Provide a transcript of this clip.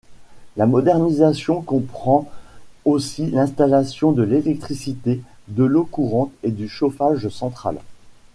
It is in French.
La modernisation comprend aussi l’installation de l’électricité, de l’eau courante et du chauffage central.